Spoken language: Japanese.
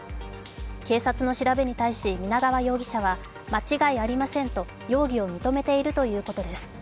警察の調べに対し皆川容疑者は間違いありませんと容疑を認めているということです。